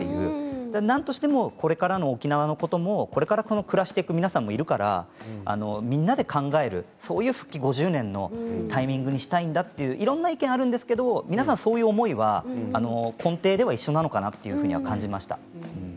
なんとしてもこれからの沖縄のことをこれから暮らしていく皆さんもいるからみんなで考えるそういう復帰５０年のタイミングにしたいんだといういろんな意見があるんですけれど皆さんそういう思いは根底では一緒なのかなというふうに感じました。